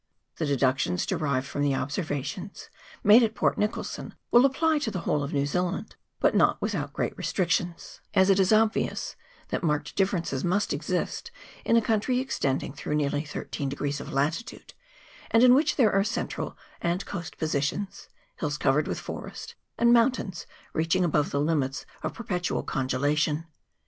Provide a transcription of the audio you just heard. The deductions derived from the observations made at Port Nicholson will apply to the whole of New Zealand, but not without great restrictions, as it is obvious that marked differences must exist in a country extending through nearly thirteen degrees of latitude, and in which there are central and coast positions, hills covered with forest, and mountains reaching above the limits of per petual congelation.